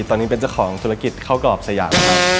ตอนนี้เป็นเจ้าของธุรกิจข้าวกรอบสยามครับ